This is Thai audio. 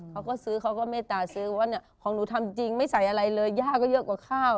เขาก็ซื้อเขาก็เมตตาซื้อว่าเนี่ยของหนูทำจริงไม่ใส่อะไรเลยย่าก็เยอะกว่าข้าว